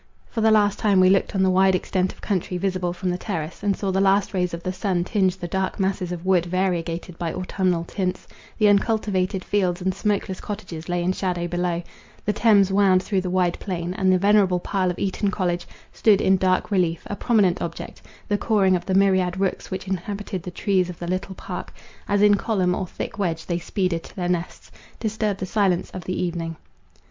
For the last time we looked on the wide extent of country visible from the terrace, and saw the last rays of the sun tinge the dark masses of wood variegated by autumnal tints; the uncultivated fields and smokeless cottages lay in shadow below; the Thames wound through the wide plain, and the venerable pile of Eton college, stood in dark relief, a prominent object; the cawing of the myriad rooks which inhabited the trees of the little park, as in column or thick wedge they speeded to their nests, disturbed the silence of evening.